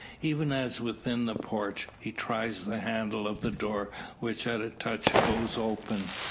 Even as within the porch, he tries the handle of the door which at a touch goes open.